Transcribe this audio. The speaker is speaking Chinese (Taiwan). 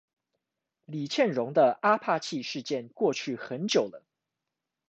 李蒨蓉的阿帕契事件過去很久了